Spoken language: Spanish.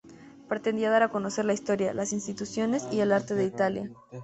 Pretendía dar a conocer la historia, las instituciones y el arte de Italia.